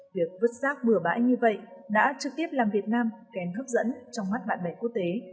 việc vứt rác bừa bãi như vậy đã trực tiếp làm việt nam kén hấp dẫn trong mắt bạn bè quốc tế